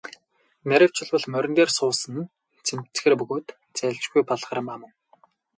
Нарийвчилбал, морин дээр суусан нь цэмцгэр бөгөөд зайлшгүй Балгармаа мөн.